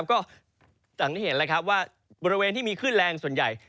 ก็จากที่เห็นบริเวณที่มีขึ้นแรงส่วนใหญ่